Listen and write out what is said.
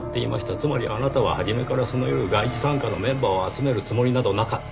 つまりあなたは初めからその夜外事三課のメンバーを集めるつもりなどなかった。